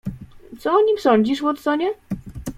"Co o nim sądzisz, Watsonie?"